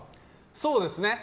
そうですね。